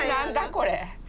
これ。